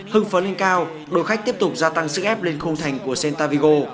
hưng phấn lên cao đội khách tiếp tục gia tăng sức ép lên khung thành của centavigo